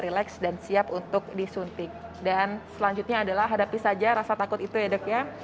relax dan siap untuk disuntik dan selanjutnya adalah hadapi saja rasa takut itu ya dok ya